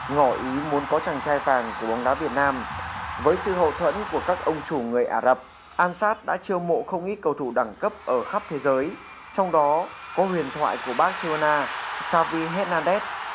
ngõ ý muốn có chàng trai vàng của bóng đá việt nam với sự hậu thuẫn của các ông chủ người ả rập ansat đã triêu mộ không ít cầu thủ đẳng cấp ở khắp thế giới trong đó có huyền thoại của barcelona xavi hernandez